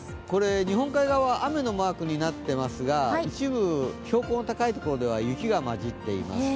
日本海側は雨のマークになっていますが一部標高の高いところでは雪がまじっています。